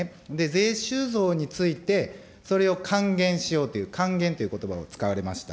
税収増について、それを還元しようという、還元ということばを使われました。